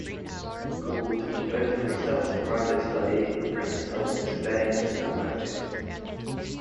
Gould devoted himself to private study, emphasizing surveying and mathematics.